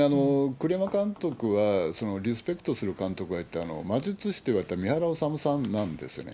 栗山監督は、リスペクトする監督がいて、魔術師といわれたみはらおさむさんなんですよね。